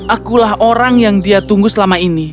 akulah orang yang dia tunggu selama ini